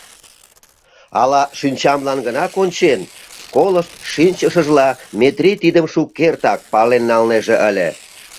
Ала шинчамлан гына кончен? — колышт шинчышыжла, Метрий тидым шукертак пален налнеже ыле.